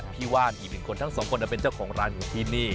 ว่านอีกหนึ่งคนทั้งสองคนเป็นเจ้าของร้านอยู่ที่นี่